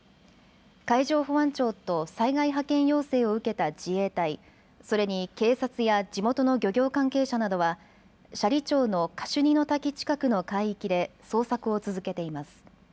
海上保安庁と災害派遣要請を受けた自衛隊、それに警察や地元の漁業関係者などは斜里町のカシュニの滝近くの海域で捜索を続けています。